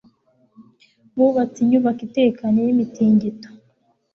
Bubatse inyubako itekanye y’imitingito.